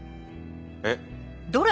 えっ。